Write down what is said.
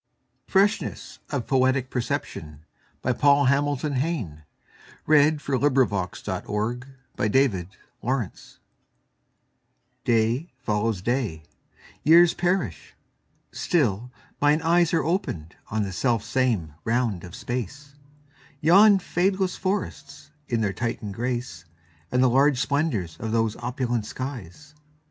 Freshness of Poetic Perception Paul Hamilton Hayne (1830–1886) DAY follows day; years perish; still mine eyesAre opened on the self same round of space; Yon fadeless forests in their Titan grace, And the large splendors of those opulent skies.